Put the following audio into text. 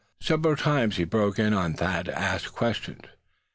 Several times he broke in on Thad to ask questions.